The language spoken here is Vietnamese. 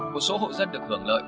một số hộ dân được hưởng lợi